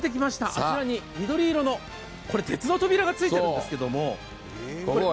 あちらに緑色の、これ、鉄の扉がついているんですけども。